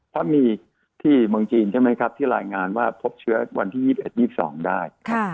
เพราะมีที่เมืองจีนใช่ไหมครับที่รายงานว่าพบเชื้อวันที่๒๑๒๒ได้